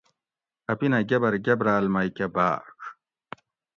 اپینہ گبر گبرال مئ کہ بھاۤڄ